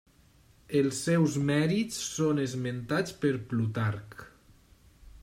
Els seus mèrits són esmentats per Plutarc.